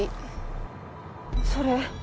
それ。